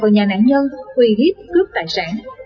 vào nhà nạn nhân huy hiếp cướp tài sản